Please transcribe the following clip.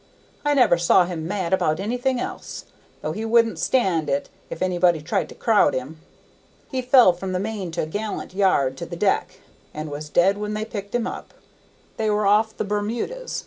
I never saw him mad about anything else, though he wouldn't stand it if anybody tried to crowd him. He fell from the main to' gallant yard to the deck, and was dead when they picked him up. They were off the Bermudas.